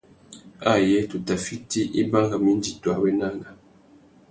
Ayé tu tà fiti, i bangamú indi tu awénana.